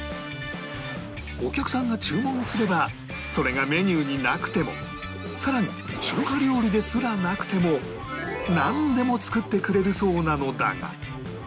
お客さんが注文すればそれがメニューになくてもさらに中華料理ですらなくてもなんでも作ってくれるそうなのだが